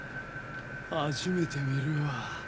初めて見るわ。